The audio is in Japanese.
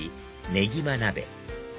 ねぎま鍋